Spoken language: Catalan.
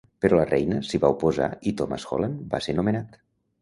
Però la reina s'hi va oposar i Thomas Holland va ser nomenat .